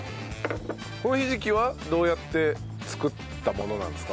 このひじきはどうやって作ったものなんですか？